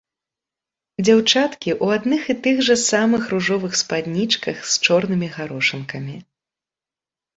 Дзяўчаткі ў адных і тых жа самых ружовых спаднічках з чорнымі гарошынкамі.